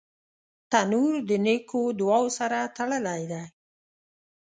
تنور د نیکو دعاوو سره تړلی دی